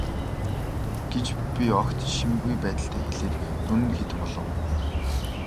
гэж би огт жишимгүй байдалтай хэлээд дүн нь хэд болов.